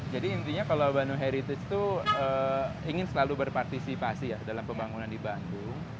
jadi intinya kalau bandung heritage itu ingin selalu berpartisipasi ya dalam pembangunan di bandung